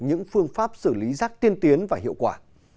những phương pháp xử lý rác tiên tiến và hiệu quả